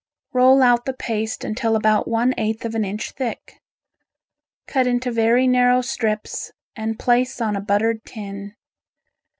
Roll out the paste until about one eighth of an inch thick. Cut into very narrow strips and place on a buttered tin.